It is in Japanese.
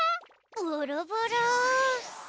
ボロボロ。